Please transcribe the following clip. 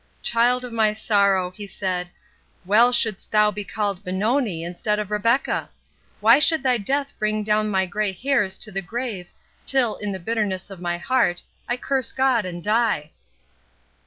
"Child of my sorrow," he said, "well shouldst thou be called Benoni, instead of Rebecca! Why should thy death bring down my grey hairs to the grave, till, in the bitterness of my heart, I curse God and die!"